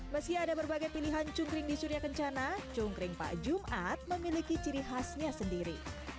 meski ada berbagai pilihan cungkring di surya kencana cungkring pak jumat memiliki ciri khasnya sendiri